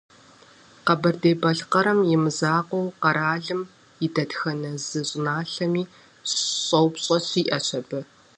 Къэбэрдей-Балъкъэрым имызакъуэуи, къэралым и дэтхэнэ зы щӏыналъэми щӏэупщӏэ щиӏэщ абы.